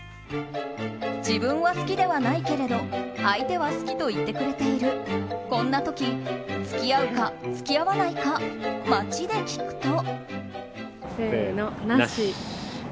自分は好きではないけれど相手は好きと言ってくれているこんな時、付き合うか付き合わないか、街で聞くと。